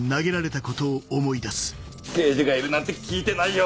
刑事がいるなんて聞いてないよ。